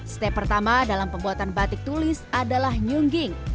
step pertama dalam pembuatan batik tulis adalah nyungging